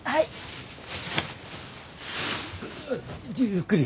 ゆっくり。